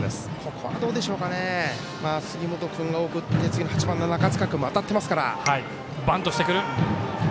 ここは、杉本君が送って次の８番の中塚君も当たってますから。